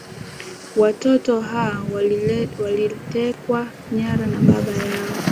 watoto ha walitekwa nyara na baba yao